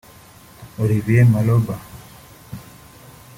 Oliver Maloba